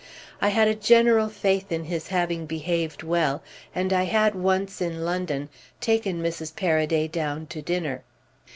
I had a general faith in his having behaved well, and I had once, in London, taken Mrs. Paraday down to dinner.